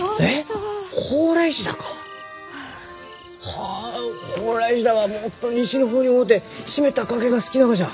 はあホウライシダはもっと西の方に多うて湿った崖が好きながじゃ！